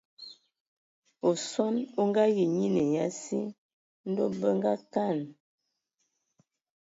Osɔn o Ngaayi nyian ai nye a si. Ndɔ bə ngakaan.